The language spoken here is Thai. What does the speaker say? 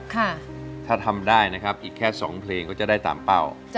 ถ้าทำได้นะครับอีกแค่๒เพลงก็จะได้ตามเป้า